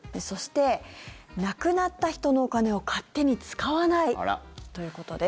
そして、亡くなった人のお金を勝手に使わないということです。